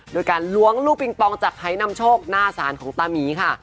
โดยการล้วงลูกปิงปองจากไฮนำโชคหน้าศาลของตามีค่ะ